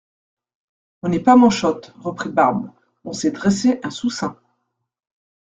On n'est pas manchote, reprit Barbe, on sait dresser un sous-seing.